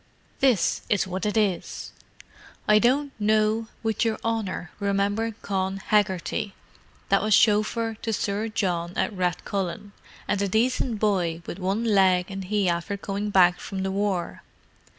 "This is what it is. 'I don't know would your honour remember Con Hegarty, that was shofer to Sir John at Rathcullen, and a decent boy with one leg and he after coming back from the war.